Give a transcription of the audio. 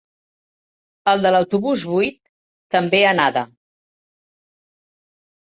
El de l'autobús vuit, també anada.